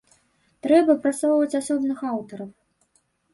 Трэба прасоўваць асобных аўтараў.